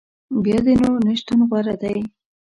بیا دي نو نه شتون غوره دی